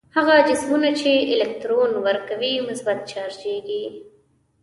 هغه جسمونه چې الکترون ورکوي مثبت چارجیږي.